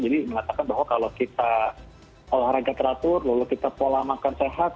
jadi mengatakan bahwa kalau kita olahraga teratur lalu kita pola makan sehat